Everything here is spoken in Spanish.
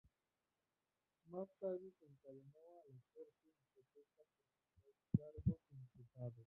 Más tarde se encadenó a la corte en protesta por los cargos imputados.